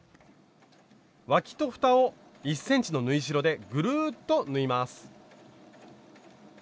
わきとふたを１ｃｍの縫い代でぐるっと縫います。